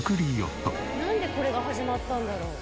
なんでこれが始まったんだろう？